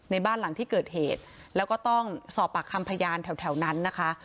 บ้านหลังที่เกิดเหตุแล้วก็ต้องสอบปากคำพยานแถวนั้นนะคะ